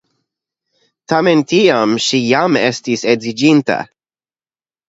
Tamen tiam ŝi jam estis edziniĝinta.